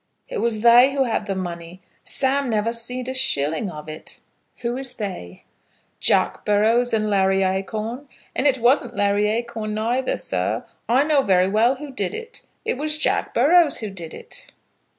"It was they who had the money. Sam never seed a shilling of it." "Who is 'they'?" "Jack Burrows and Larry Acorn. And it wasn't Larry Acorn neither, sir. I know very well who did it. It was Jack Burrows who did it."